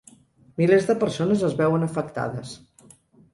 Milers de persones es veuen afectades.